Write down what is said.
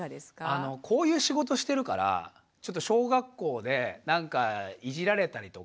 こういう仕事してるからちょっと小学校で何かいじられたりとか。